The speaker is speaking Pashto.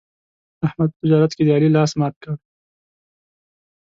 احمد په تجارت کې د علي لاس مات کړ.